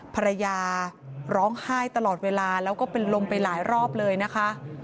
ภรรยาร้องไห้ตลอดเวลาแล้วก็เป็นลมไปหลายรอบเลยนะคะ